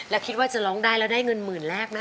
แล้วคิดว่าจะร้องได้แล้วได้เงินหมื่นแรกไหม